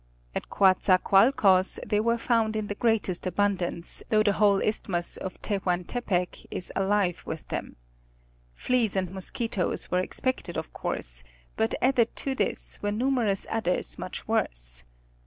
At Coatzacoalcos they were found in the greatest abundance, though the whole isthmus of Tehuantepec is alive with them. Fleas and mosquitoes were expected of course, but added to this were numerous others much worse.